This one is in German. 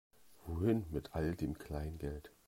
Wohin mit all dem Kleingeld?